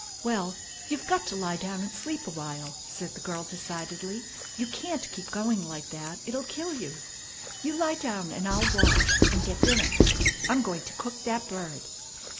"Well, you've got to lie down and sleep awhile," said the girl decidedly. "You can't keep going like that. It'll kill you. You lie down, and I'll watch, and get dinner. I'm going to cook that bird."